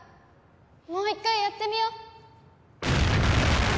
もう１回やってみよう。